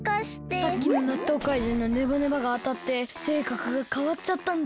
さっきのなっとうかいじんのネバネバがあたってせいかくがかわっちゃったんだ。